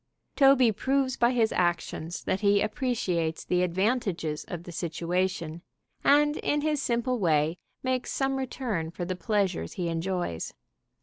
Toby proves by his actions that he appreciates the advantages of the situation, and in his simple way makes some return for the pleasures he enjoys.